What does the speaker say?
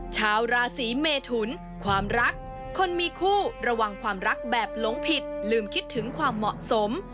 ชาวราศีเมทุนความรักคนมีคู่ระวังความรักแบบหลงผิดลืมคิดถึงความเหมาะสม